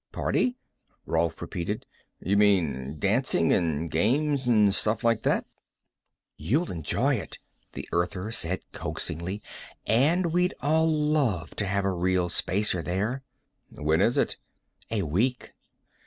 "Party?" Rolf repeated. "You mean, dancing, and games, and stuff like that?" "You'll enjoy it," the Earther said coaxingly. "And we'd all love to have a real Spacer there." "When is it?" "A week."